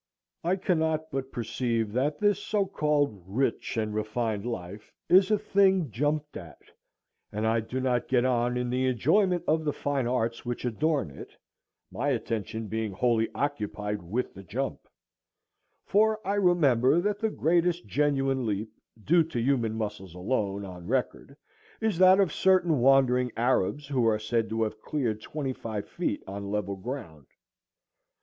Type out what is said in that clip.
I cannot but perceive that this so called rich and refined life is a thing jumped at, and I do not get on in the enjoyment of the fine arts which adorn it, my attention being wholly occupied with the jump; for I remember that the greatest genuine leap, due to human muscles alone, on record, is that of certain wandering Arabs, who are said to have cleared twenty five feet on level ground.